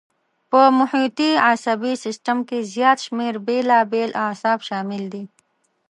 په محیطي عصبي سیستم کې زیات شمېر بېلابېل اعصاب شامل دي.